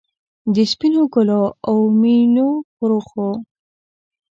د سپینو ګلو، اومیینو پرخو،